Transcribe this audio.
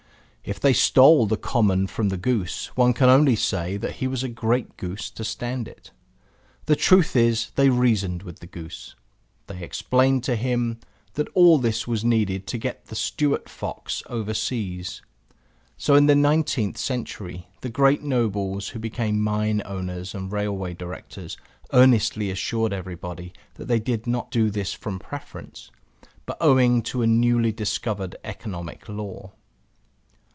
If they stole the common from the goose, one can only say that he was a great goose to stand it. The truth is that they reasoned with the goose; they explained to him that all this was needed to get the Stuart fox over seas. So in the nineteenth century the great nobles who became mine owners and railway directors earnestly assured everybody that they did not do this from preference, but owing to a newly discovered Economic Law.